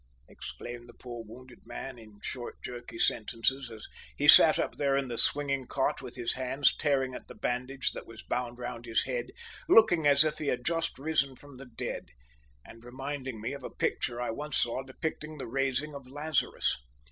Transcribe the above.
exclaimed the poor wounded man in short jerky sentences, as he sat up there in the swinging cot, with his hands tearing at the bandage that was bound round his head, looking as if he had just risen from the dead, and reminding me of a picture I once saw depicting the raising of Lazarus.